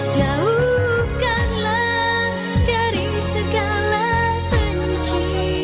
jauhkanlah dari segala panci